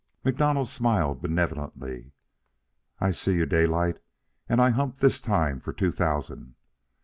MacDonald smiled benevolently. "I see you, Daylight, and I hump this time for two thousand.